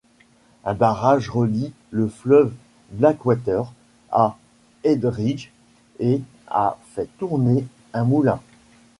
Un barrage relie le fleuve Blackwater à Heybridge, et a fait tourner un moulin.